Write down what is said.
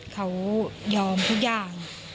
เขายอมทุกอย่าง